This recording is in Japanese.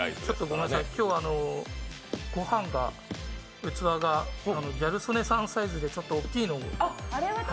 今日はご飯が、器がギャル曽根さんサイズでちょっと大きいので。